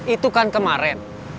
itu kan kemaren